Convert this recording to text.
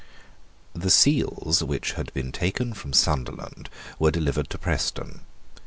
The seals which had been taken from Sunderland were delivered to Preston.